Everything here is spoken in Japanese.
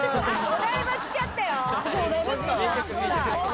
お台場来ちゃったよ。